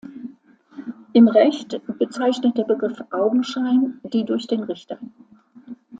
Im Recht bezeichnet der Begriff Augenschein die durch den Richter.